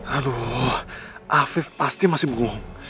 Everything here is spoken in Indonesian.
aduh afif pasti masih berguang